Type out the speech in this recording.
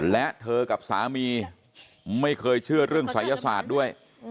และเธอกับสามีไม่เคยเชื่อเรื่องศัยศาสตร์ด้วย